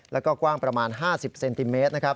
แล้วก็กว้างประมาณ๕๐เซนติเมตร